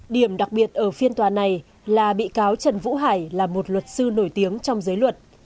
điểm đặc biệt ở phiên tòa này là bị cáo trần vũ hải là một luật sư nổi tiếng trong giới luật